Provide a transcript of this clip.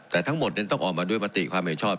แต่ทั้งหมดนั้นต้องออกมาด้วยมติความเห็นชอบ